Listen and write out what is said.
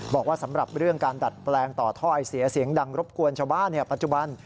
บอกว่าสำหรับเรื่องการดัดแปลงต่อท่อไอเสียเสียงดังรบกวนชาวบ้านปัจจุบัน